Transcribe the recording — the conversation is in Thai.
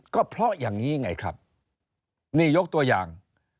ก็เพราะอย่างนี้ไงครับนี่ยกตัวอย่าง